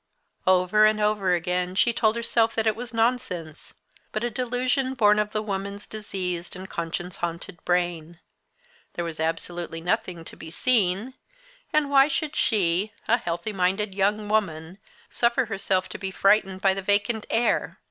Over and over again she told herself that it was nonsense but a delusion born of the woman's diseased and conscience haunted brain. There was absolutely nothing to be seen; and why should she, a healthy minded young woman, suffer herself to be frightened by the vacant air?